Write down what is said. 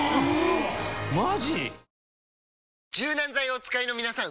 柔軟剤をお使いのみなさん！